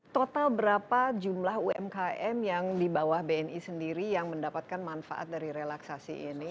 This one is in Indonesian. total berapa jumlah umkm yang di bawah bni sendiri yang mendapatkan manfaat dari relaksasi ini